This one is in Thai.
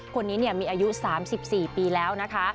คนนี้มีอายุ๓๔ปีแล้วนะคะ